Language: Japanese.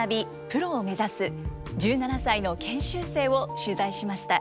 プロを目指す１７歳の研修生を取材しました。